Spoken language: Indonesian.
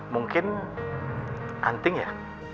mungkin andin ya